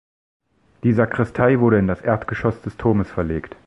Die Sakristei wurde in das Erdgeschoss des Turmes verlegt.